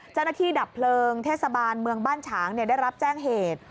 เจ้าหน้าที่ดับเพลิงเทศบาลเมืองบ้านฉางเนี่ยได้รับแจ้งเหตุ